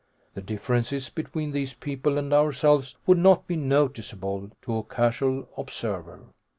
The differences between these people and ourselves would not be noticeable to a casual observer.